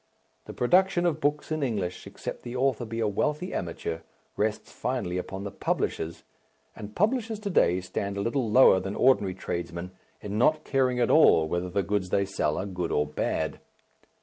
The production of books in English, except the author be a wealthy amateur, rests finally upon the publishers, and publishers to day stand a little lower than ordinary tradesmen in not caring at all whether the goods they sell are good or bad.